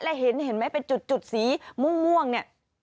แล้วเห็นไหมเป็นจุดสีม่วงเนี่ย